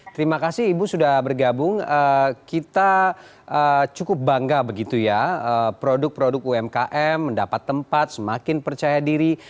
terima kasih ibu sudah bergabung kita cukup bangga begitu ya produk produk umkm mendapat tempat semakin percaya diri